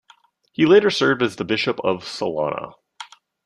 He later served as the bishop of Salona.